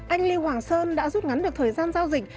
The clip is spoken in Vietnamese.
anh lê hoàng sơn đã rút ngắn được thời gian giao dịch